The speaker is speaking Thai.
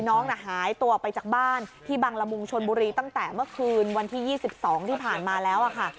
น้องน่ะหายตัวไปจากบ้านที่บังละมุงชนบุรีตั้งแต่เมื่อคืนวันที่๒๒ที่ผ่านมาแล้วค่ะ